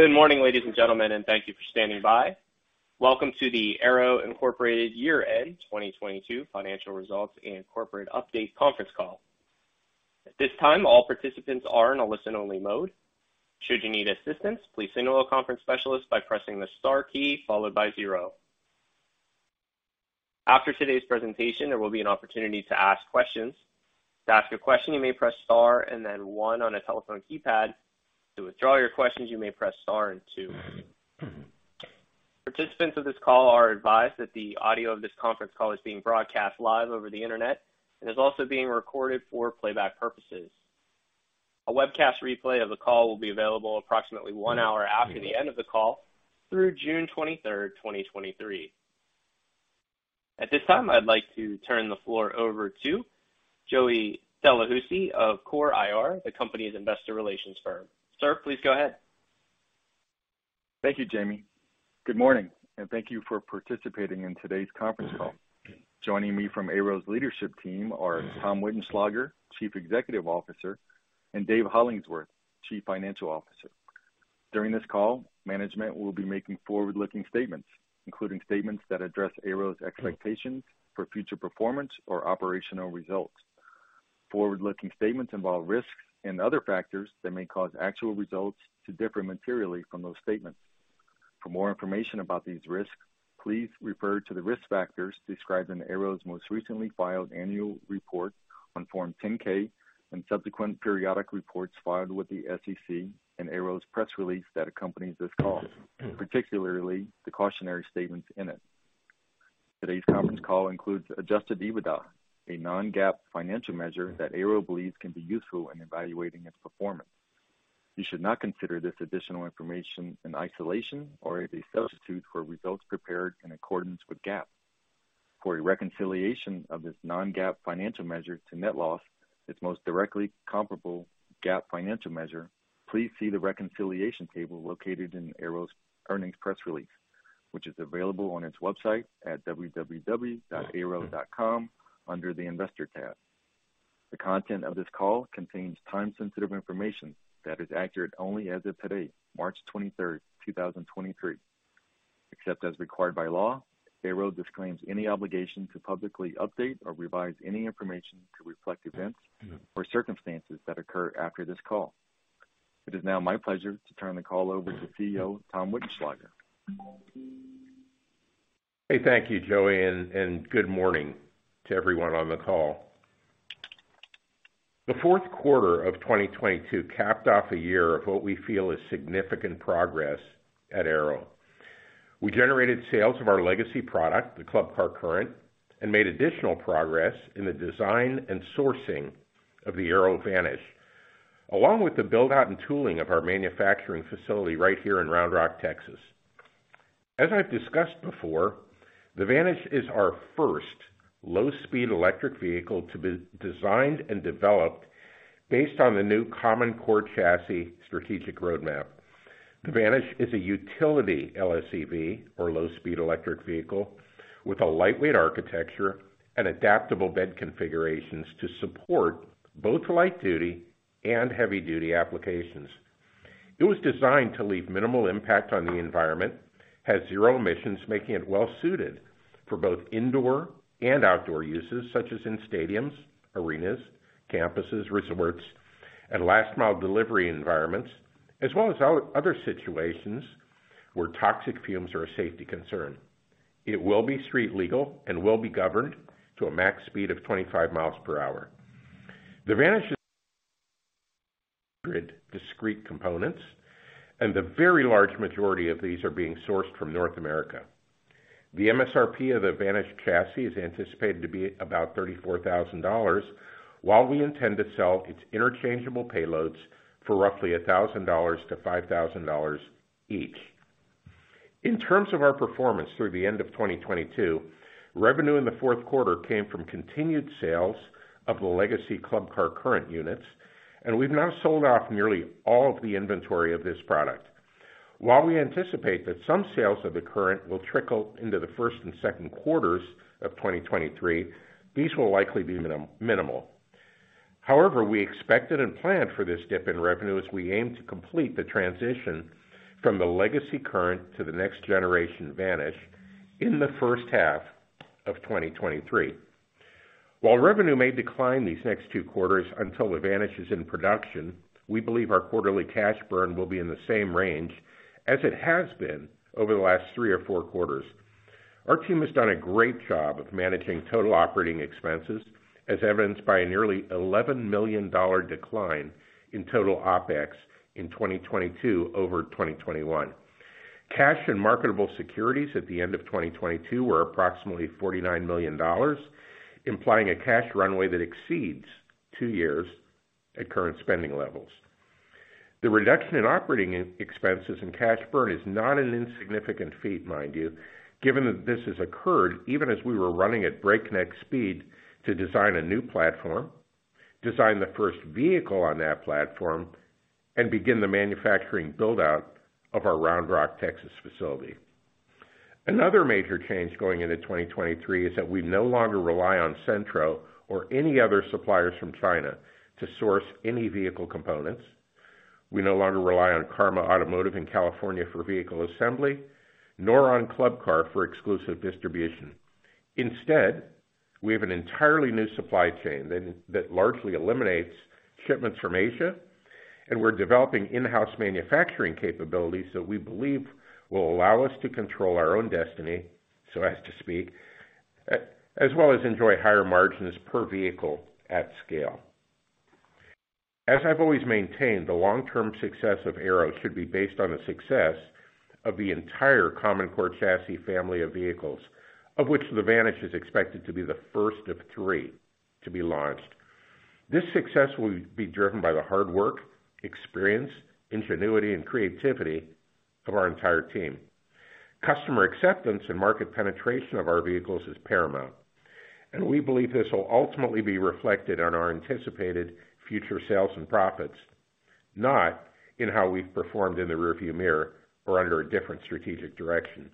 Good morning, ladies and gentlemen, and thank you for standing by. Welcome to the AYRO, Inc. Year-End 2022 Financial Results and Corporate Update Conference Call. At this time, all participants are in a listen-only mode. Should you need assistance, please signal a conference specialist by pressing the star key followed by zero. After today's presentation, there will be an opportunity to ask questions. To ask your question, you may press star and then one on a telephone keypad. To withdraw your questions, you may press star and two. Participants of this call are advised that the audio of this conference call is being broadcast live over the Internet and is also being recorded for playback purposes. A webcast replay of the call will be available approximately one hour after the end of the call through June 23rd, 2023. At this time, I'd like to turn the floor over to Joey Delahoussaye of CORE IR, the company's investor relations firm. Sir, please go ahead. Thank you, Jamie. Good morning, thank you for participating in today's conference call. Joining me from AYRO's leadership team are Tom Wittenschlaeger, Chief Executive Officer, and Dave Hollingsworth, Chief Financial Officer. During this call, management will be making forward-looking statements, including statements that address AYRO's expectations for future performance or operational results. Forward-looking statements involve risks and other factors that may cause actual results to differ materially from those statements. For more information about these risks, please refer to the risk factors described in AYRO's most recently filed annual report on Form 10-K and subsequent periodic reports filed with the SEC and AYRO's press release that accompanies this call, particularly the cautionary statements in it. Today's conference call includes Adjusted EBITDA, a non-GAAP financial measure that AYRO believes can be useful in evaluating its performance. You should not consider this additional information in isolation or as a substitute for results prepared in accordance with GAAP. For a reconciliation of this non-GAAP financial measure to net loss, its most directly comparable GAAP financial measure, please see the reconciliation table located in AYRO's earnings press release, which is available on its website at www.AYRO.com under the Investor tab. The content of this call contains time-sensitive information that is accurate only as of today, March 23, 2023. Except as required by law, AYRO disclaims any obligation to publicly update or revise any information to reflect events or circumstances that occur after this call. It is now my pleasure to turn the call over to CEO Tom Wittenschlaeger. Thank you, Joey, and good morning to everyone on the call. The Q4 of 2022 capped off a year of what we feel is significant progress at AYRO. We generated sales of our legacy product, the Club Car Current, made additional progress in the design and sourcing of the AYRO Vanish, along with the build-out and tooling of our manufacturing facility right here in Round Rock, Texas. As I've discussed before, the Vanish is our first low-speed electric vehicle to be designed and developed based on the new common core chassis strategic roadmap. The Vanish is a utility LSEV, or low-speed electric vehicle, with a lightweight architecture and adaptable bed configurations to support both light-duty and heavy-duty applications. It was designed to leave minimal impact on the environment, has zero emissions, making it well-suited for both indoor and outdoor uses, such as in stadiums, arenas, campuses, resorts, and last-mile delivery environments, as well as other situations where toxic fumes are a safety concern. It will be street legal and will be governed to a max speed of 25 miles per hour. The Vantage's grid discrete components and the very large majority of these are being sourced from North America. The MSRP of the Vantage chassis is anticipated to be about $34,000, while we intend to sell its interchangeable payloads for roughly $1,000-$5,000 each. In terms of our performance through the end of 2022, revenue in the Q4 came from continued sales of the legacy Club Car Current units. We've now sold off nearly all of the inventory of this product. While we anticipate that some sales of the Current will trickle into the Q1 and Q2 of 2023, these will likely be minimal. However, we expected and planned for this dip in revenue as we aim to complete the transition from the legacy Current to the next-generation Vantage in the first half of 2023. While revenue may decline these next two quarters until the Vantage is in production, we believe our quarterly cash burn will be in the same range as it has been over the last three or four quarters. Our team has done a great job of managing total OpEx, as evidenced by a nearly $11 million decline in total OpEx in 2022 over 2021. Cash and marketable securities at the end of 2022 were approximately $49 million, implying a cash runway that exceeds two years at current spending levels. The reduction in OpEx and cash burn is not an insignificant feat, mind you, given that this has occurred even as we were running at breakneck speed to design a new platform, design the first vehicle on that platform, and begin the manufacturing build-out of our Round Rock, Texas facility. Another major change going into 2023 is that we no longer rely on Cenntro or any other suppliers from China to source any vehicle components. We no longer rely on Karma Automotive in California for vehicle assembly, nor on Club Car for exclusive distribution. Instead, we have an entirely new supply chain that largely eliminates shipments from Asia, and we're developing in-house manufacturing capabilities that we believe will allow us to control our own destiny, so as to speak, as well as enjoy higher margins per vehicle at scale. As I've always maintained, the long-term success of AYRO should be based on the success of the entire common core chassis family of vehicles, of which the Vanish is expected to be the first of three to be launched. This success will be driven by the hard work, experience, ingenuity, and creativity of our entire team. Customer acceptance and market penetration of our vehicles is paramount, and we believe this will ultimately be reflected on our anticipated future sales and profits, not in how we've performed in the rearview mirror or under a different strategic direction.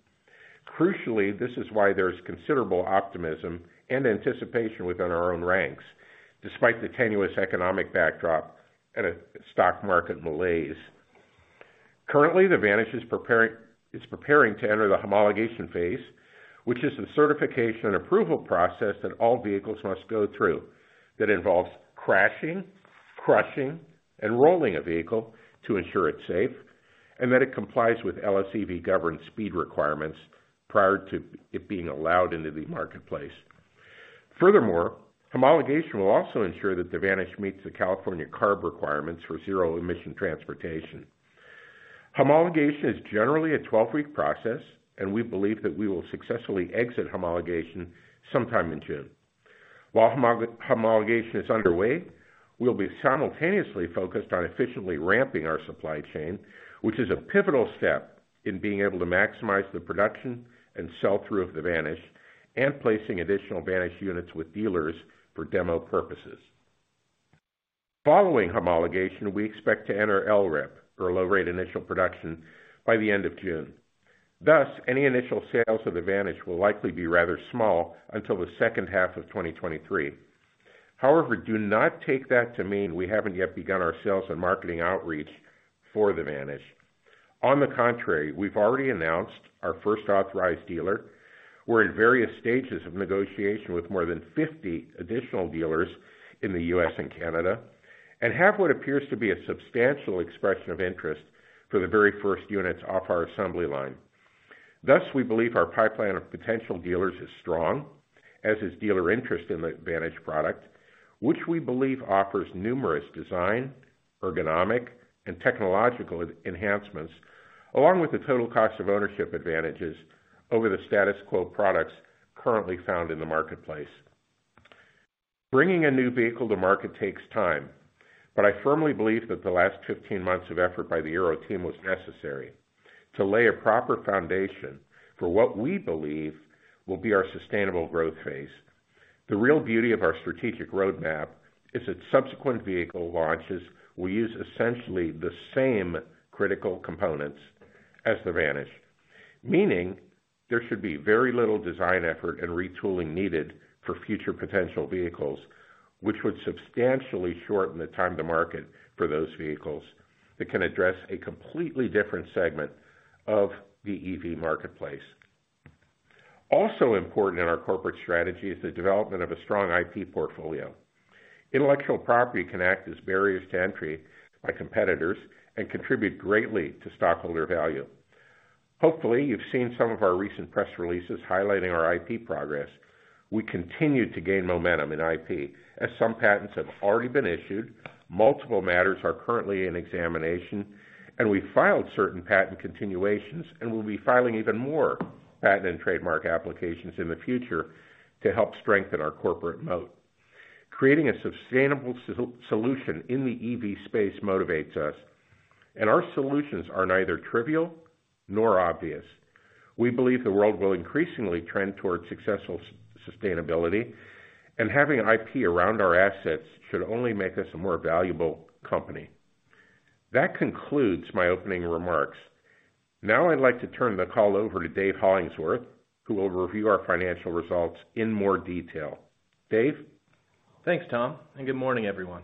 Crucially, this is why there's considerable optimism and anticipation within our own ranks, despite the tenuous economic backdrop and a stock market malaise. Currently, the Vanish is preparing to enter the homologation phase, which is the certification and approval process that all vehicles must go through that involves crashing, crushing, and rolling a vehicle to ensure it's safe and that it complies with LSEV-governed speed requirements prior to it being allowed into the marketplace. Furthermore, homologation will also ensure that the Vanish meets the California CARB requirements for zero-emission transportation. Homologation is generally a 12-week process, and we believe that we will successfully exit homologation sometime in June. While homologation is underway, we'll be simultaneously focused on efficiently ramping our supply chain, which is a pivotal step in being able to maximize the production and sell-through of the Vanish and placing additional Vanish units with dealers for demo purposes. Following homologation, we expect to enter LRIP, or low-rate initial production, by the end of June. Any initial sales of the Vanish will likely be rather small until the second half of 2023. Do not take that to mean we haven't yet begun our sales and marketing outreach for the Vanish. On the contrary, we've already announced our first authorized dealer. We're at various stages of negotiation with more than 50 additional dealers in the U.S. and Canada and have what appears to be a substantial expression of interest for the very first units off our assembly line. Thus, we believe our pipeline of potential dealers is strong, as is dealer interest in the Vanish product, which we believe offers numerous design, ergonomic, and technological enhancements, along with the total cost of ownership advantages over the status quo products currently found in the marketplace. Bringing a new vehicle to market takes time, but I firmly believe that the last 15 months of effort by the AYRO team was necessary to lay a proper foundation for what we believe will be our sustainable growth phase. The real beauty of our strategic roadmap is that subsequent vehicle launches will use essentially the same critical components as the Vanish, meaning there should be very little design effort and retooling needed for future potential vehicles, which would substantially shorten the time to market for those vehicles that can address a completely different segment of the EV marketplace. Also important in our corporate strategy is the development of a strong IP portfolio. Intellectual property can act as barriers to entry by competitors and contribute greatly to stockholder value. Hopefully, you've seen some of our recent press releases highlighting our IP progress. We continue to gain momentum in IP, as some patents have already been issued, multiple matters are currently in examination, and we filed certain patent continuations and will be filing even more patent and trademark applications in the future to help strengthen our corporate moat. Creating a sustainable solution in the EV space motivates us, and our solutions are neither trivial nor obvious. We believe the world will increasingly trend towards successful sustainability, and having IP around our assets should only make us a more valuable company. That concludes my opening remarks. I'd like to turn the call over to Dave Hollingsworth, who will review our financial results in more detail. Dave? Thanks, Tom. Good morning, everyone.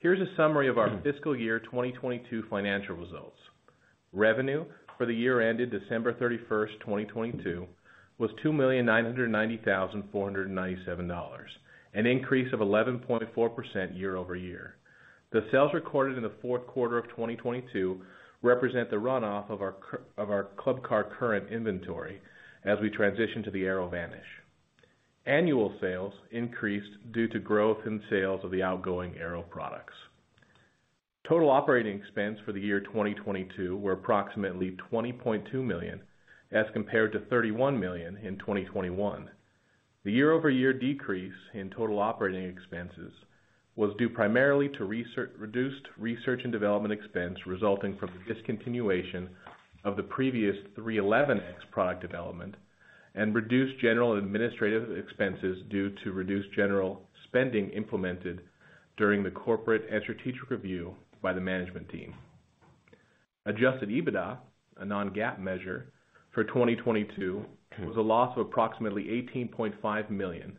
Here's a summary of our fiscal year 2022 financial results. Revenue for the year ended December 31st, 2022 was $2,990,497, an increase of 11.4% YoY. The sales recorded in the Q4 of 2022 represent the runoff of our Club Car Current inventory as we transition to the AYRO Vanish. Annual sales increased due to growth in sales of the outgoing AYRO products. Total operating expense for the year 2022 were approximately $20.2 million as compared to $31 million in 2021. The YoY decrease in total OpEx was due primarily to reduced research and development expense resulting from the discontinuation of the previous 311x product development, reduced general administrative expenses due to reduced general spending implemented during the corporate and strategic review by the management team. Adjusted EBITDA, a non-GAAP measure, for 2022 was a loss of approximately $18.5 million,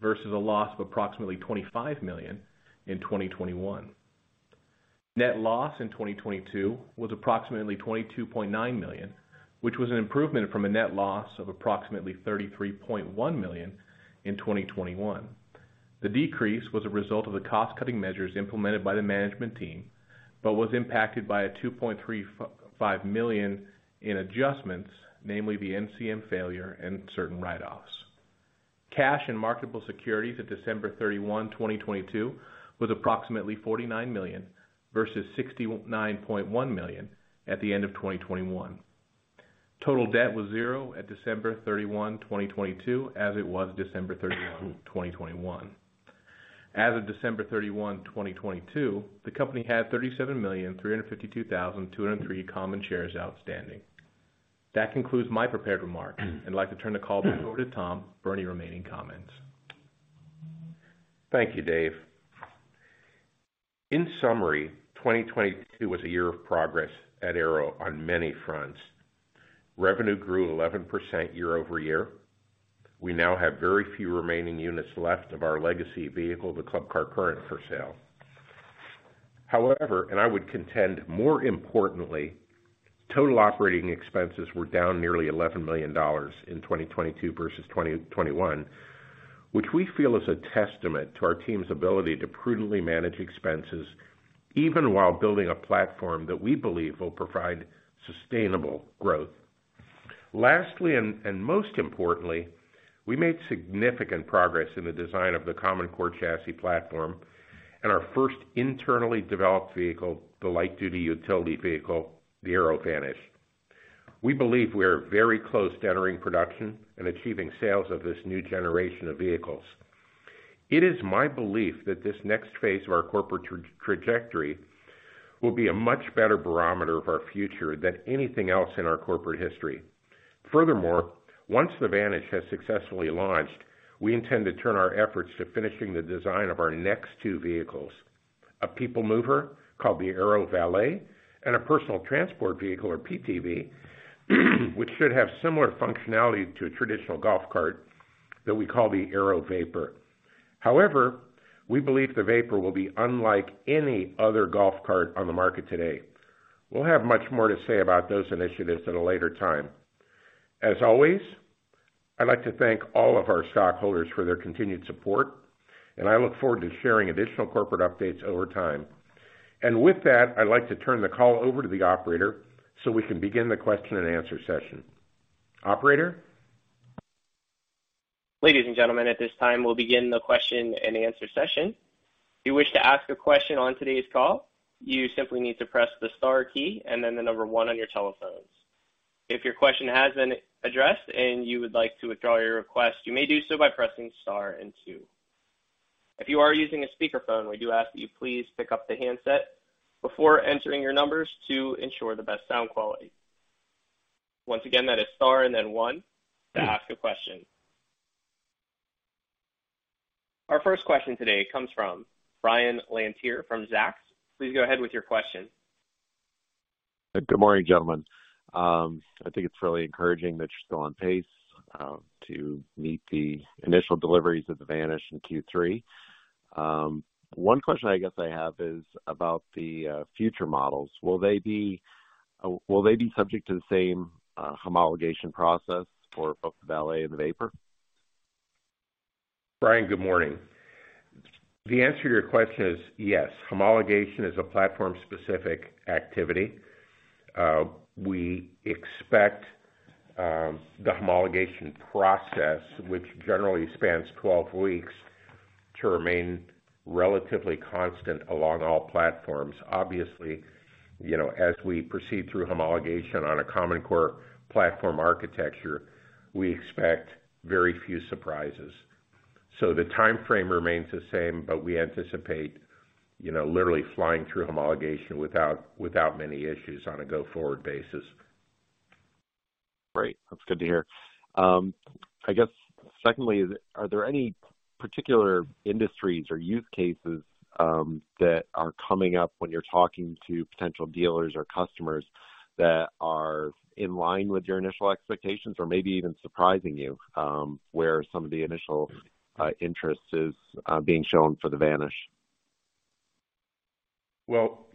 versus a loss of approximately $25 million in 2021. Net loss in 2022 was approximately $22.9 million, which was an improvement from a net loss of approximately $33.1 million in 2021. The decrease was a result of the cost-cutting measures implemented by the management team, but was impacted by a $2.35 million in adjustments, namely the NCM failure and certain write-offs. Cash and marketable securities at December 31, 2022 was approximately $49 million versus $69.1 million at the end of 2021. Total debt was zero at December 31, 2022 as it was December 31, 2021. As of December 31, 2022, the company had 37,352,203 common shares outstanding. That concludes my prepared remarks. I'd like to turn the call back over to Tom for any remaining comments. Thank you, Dave. In summary, 2022 was a year of progress at AYRO on many fronts. Revenue grew 11% YoY. We now have very few remaining units left of our legacy vehicle, the Club Car Current, for sale. However, and I would contend more importantly, total OpEx were down nearly $11 million in 2022 versus 2021, which we feel is a testament to our team's ability to prudently manage expenses even while building a platform that we believe will provide sustainable growth. Lastly, and most importantly, we made significant progress in the design of the common core chassis platform and our first internally developed vehicle, the light-duty utility vehicle, the AYRO Vanish. We believe we are very close to entering production and achieving sales of this new generation of vehicles. It is my belief that this next phase of our corporate trajectory will be a much better barometer of our future than anything else in our corporate history. Once the Vantage has successfully launched, we intend to turn our efforts to finishing the design of our next two vehicles, a people mover called the AYRO Valet, and a personal transport vehicle, or PTV, which should have similar functionality to a traditional golf cart that we call the AYRO Vapor. We believe the Vapor will be unlike any other golf cart on the market today. We'll have much more to say about those initiatives at a later time. As always, I'd like to thank all of our stockholders for their continued support, and I look forward to sharing additional corporate updates over time. With that, I'd like to turn the call over to the operator so we can begin the question and answer session. Operator? Ladies and gentlemen, at this time we'll begin the question and answer session. If you wish to ask a question on today's call, you simply need to press the star key and then the number one on your telephones. If your question has been addressed and you would like to withdraw your request, you may do so by pressing star and two. If you are using a speakerphone, we do ask that you please pick up the handset before entering your numbers to ensure the best sound quality. Once again, that is star and then one to ask a question. Our first question today comes from Brian Lantier from Zacks. Please go ahead with your question. Good morning, gentlemen. I think it's really encouraging that you're still on pace to meet the initial deliveries of the AYRO Vanish in Q3. One question I guess I have is about the future models. Will they be subject to the same homologation process for both the AYRO Valet and the AYRO Vapor? Brian, good morning. The answer to your question is yes. Homologation is a platform-specific activity. We expect the homologation process, which generally spans 12 weeks, to remain relatively constant along all platforms. Obviously, you know, as we proceed through homologation on a common core platform architecture, we expect very few surprises. The timeframe remains the same, but we anticipate, you know, literally flying through homologation without many issues on a go-forward basis. Great. That's good to hear. I guess secondly, are there any particular industries or use cases that are coming up when you're talking to potential dealers or customers that are in line with your initial expectations or maybe even surprising you, where some of the initial interest is being shown for the Vanish? Well,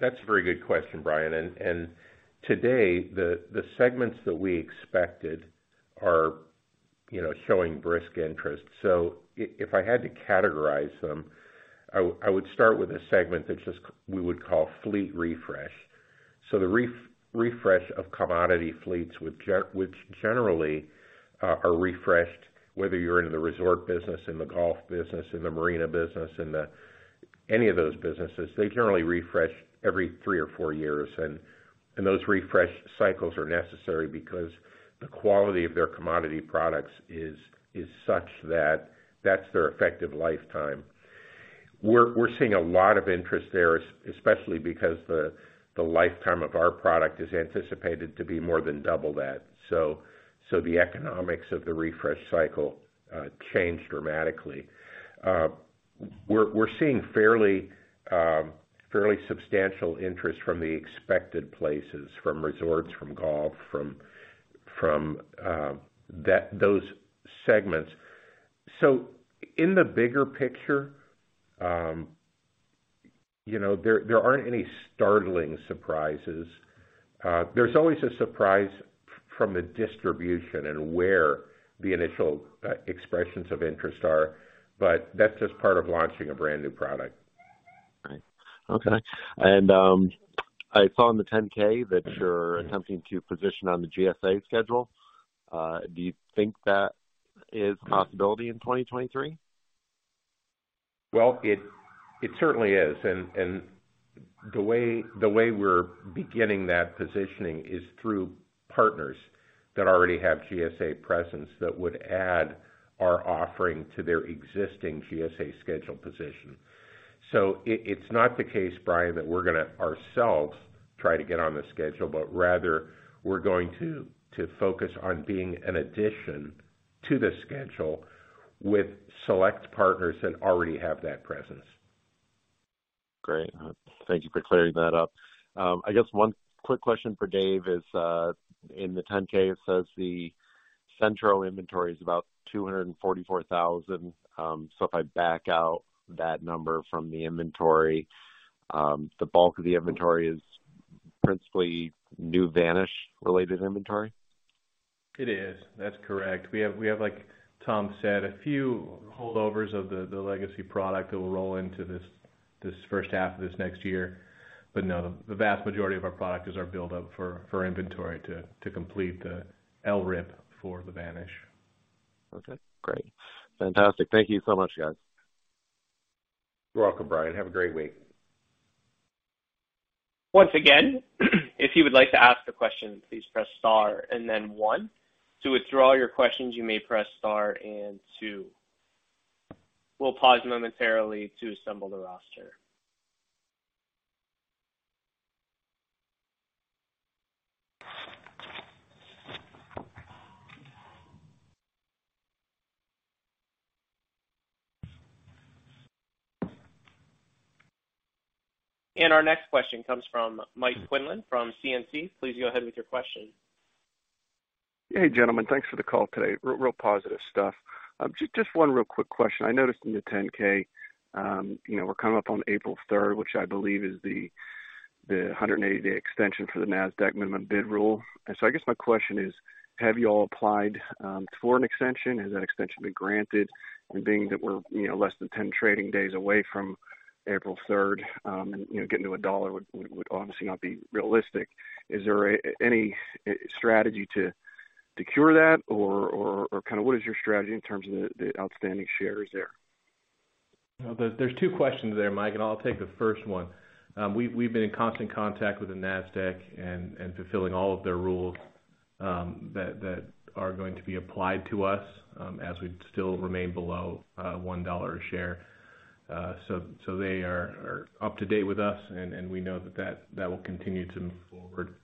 that's a very good question, Brian. Today the segments that we expected are, you know, showing brisk interest. If I had to categorize them, I would start with a segment that's just we would call fleet refresh. The refresh of commodity fleets which generally are refreshed, whether you're in the resort business, in the golf business, in the marina business, any of those businesses, they generally refresh every three or four years. Those refresh cycles are necessary because the quality of their commodity products is such that that's their effective lifetime. We're seeing a lot of interest there, especially because the lifetime of our product is anticipated to be more than double that. The economics of the refresh cycle changed dramatically. We're seeing fairly substantial interest from the expected places, from resorts, from golf, from those segments. In the bigger picture, you know, there aren't any startling surprises. There's always a surprise from the distribution and where the initial expressions of interest are, but that's just part of launching a brand-new product. Right. Okay. I saw in the Form 10-K that you're attempting to position on the GSA schedule. Do you think that is a possibility in 2023? Well, it certainly is. The way we're beginning that positioning is through partners that already have GSA presence that would add our offering to their existing GSA schedule position. It's not the case, Brian, that we're going to ourselves try to get on the schedule, but rather we're going to focus on being an addition to the schedule with select partners that already have that presence. Great. Thank you for clearing that up. I guess one quick question for Dave is, in the 10-K, it says the Cenntro inventory is about $244,000. If I back out that number from the inventory, the bulk of the inventory is principally new Vanish related inventory? It is. That's correct. We have, like Tom said, a few holdovers of the legacy product that will roll into this first half of this next year. No, the vast majority of our product is our build up for inventory to complete the LRIP for the Vanish. Okay, great. Fantastic. Thank you so much, guys. You're welcome, Brian. Have a great week. Once again, if you would like to ask a question, please press star and then one. To withdraw your questions, you may press star and two. We'll pause momentarily to assemble the roster. Our next question comes from Mike Quinlan from CNC. Please go ahead with your question. Hey, gentlemen. Thanks for the call today. Real positive stuff. Just one real quick question. I noticed in the 10-K, you know, we're coming up on April third, which I believe is the 180-day extension for the Nasdaq minimum bid rule. I guess my question is: Have you all applied for an extension? Has that extension been granted? Being that we're, you know, less than 10 trading days away from April 3rd, and, you know, getting to $1 would obviously not be realistic. Is there any strategy to cure that or kind of what is your strategy in terms of the outstanding shares there? No, there's two questions there, Mike, and I'll take the first one. We've been in constant contact with the Nasdaq and fulfilling all of their rules that are going to be applied to us as we still remain below $1 a share. They are up to date with us, and we know that that will continue to move forward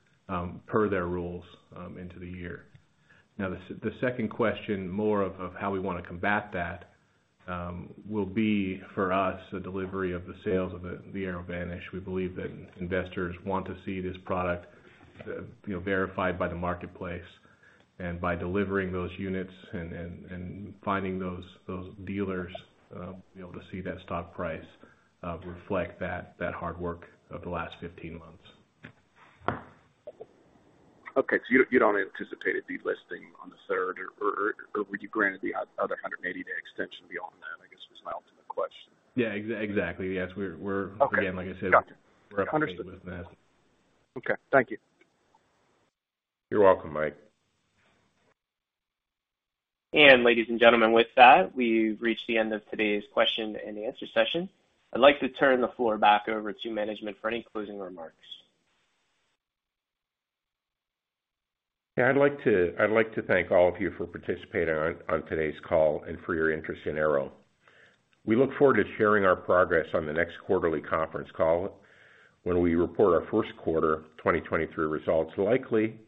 per their rules into the year. The second question, more of how we wanna combat that, will be for us, a delivery of the sales of the AYRO Vanish. We believe that investors want to see this product, you know, verified by the marketplace by delivering those units and finding those dealers, be able to see that stock price reflect that hard work of the last 15 months. Okay. you don't anticipate a delisting on the third or would you grant the other 180 day extension beyond that, I guess is my ultimate question? Yeah, exactly. Yes. We're- Okay. Again, like I said. Got you. Understood. -with Nasdaq. Okay. Thank you. You're welcome, Mike. Ladies and gentlemen, with that, we've reached the end of today's question and answer session. I'd like to turn the floor back over to management for any closing remarks. I'd like to thank all of you for participating on today's call and for your interest in AYRO. We look forward to sharing our progress on the next quarterly conference call when we report our Q1 2023 results, likely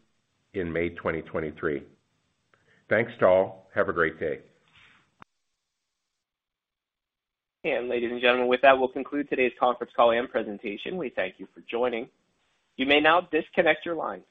in May, 2023. Thanks to all. Have a great day. Ladies and gentlemen, with that, we'll conclude today's conference call and presentation. We thank you for joining. You may now disconnect your lines.